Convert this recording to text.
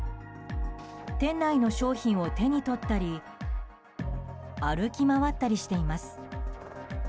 店内の商品を手に取ったり歩き回ったりしています。